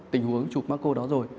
tình huống chụp macro đó rồi